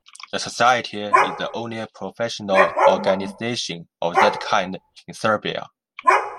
The society is the only professional organisation of that kind in Serbia.